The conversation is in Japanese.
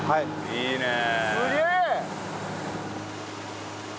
いいねえ。